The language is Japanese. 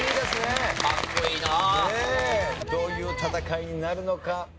どういう戦いになるのか？